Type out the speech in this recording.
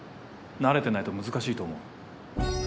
慣れてないと難しいと思う。